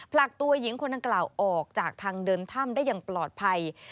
ผลักตัวหญิงคนดังกล่าวออกจากทางเดินถ้ำได้อย่างปลอดภัย